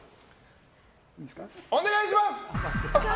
お願いします！